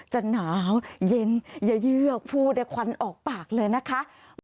จะหนาวเย็นอย่าเยือกพูดควันออกปากเลยนะคะ